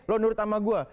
lo nurut sama gue